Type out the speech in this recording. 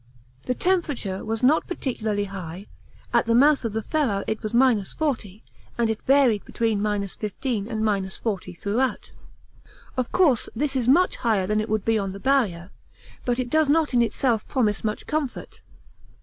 The temperature was not particularly high, at the mouth of the Ferrar it was 40°, and it varied between 15° and 40° throughout. Of course this is much higher than it would be on the Barrier, but it does not in itself promise much comfort.